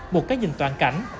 một cái nhìn toàn cảnh